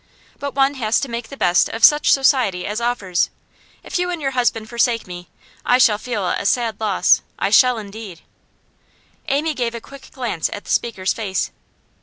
But one has to make the best of such society as offers. If you and your husband forsake me, I shall feel it a sad loss; I shall indeed.' Amy gave a quick glance at the speaker's face.